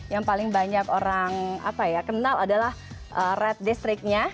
yang paling banyak orang kenal adalah red districtnya